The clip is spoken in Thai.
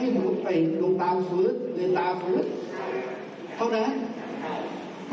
ไม่โดนนะครับ